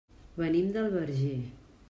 Venim del Verger.